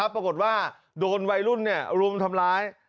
ปรากฏว่าโดนวัยรุ่นรุมทำร้าย